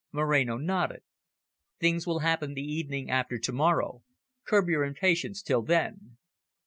Moreno nodded. "Things will happen the evening after to morrow. Curb your impatience till then."